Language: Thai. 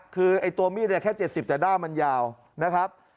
คือตัวมีดแค่๗๐แต่ด้ามมันยาวนะครับ